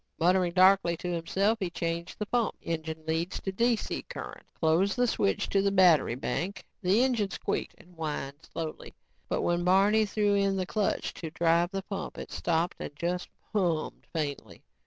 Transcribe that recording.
Muttering darkly to himself, he changed the pump engine leads to DC current and closed the switch to the battery bank. The engine squeaked and whined slowly but when Barney threw in the clutch to drive the pump, it stopped and just hummed faintly.